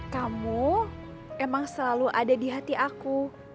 kamu emang selalu ada di hati aku